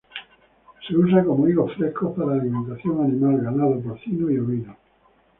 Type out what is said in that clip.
Se usa como higos frescos para alimentación animal, ganado porcino y ovino.